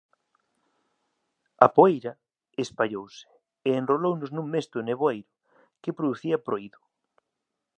A poeira espallouse e enrolounos nun mesto neboeiro que producía proído.